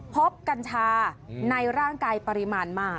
กัญชาในร่างกายปริมาณมาก